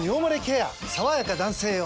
さわやか男性用」